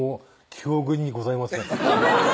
「記憶にございません」